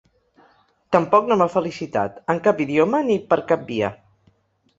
Tampoc no m’ha felicitat, en cap idioma ni per cap via.